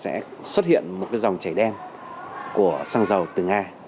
sẽ xuất hiện một dòng chảy đen của xăng dầu từ nga